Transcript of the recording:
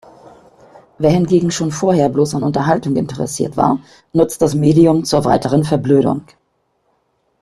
Wer hingegen schon vorher bloß an Unterhaltung interessiert war, nutzt das Medium zur weiteren Verblödung.